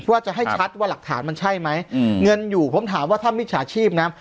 ว่าจะให้ชัดว่าหลักฐานมันใช่ไหมเงินอยู่ผมถามว่าถ้ามิจฉาชีพนะ